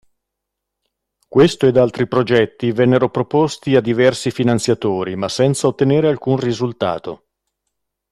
Questo ed altri progetti vennero proposti a diversi finanziatori ma senza ottenere alcun risultato.